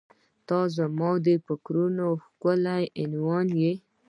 • ته زما د فکرونو ښکلی عنوان یې.